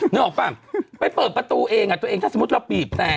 นึกออกป่ะไปเปิดประตูเองถ้าสมมติเราปีบแน่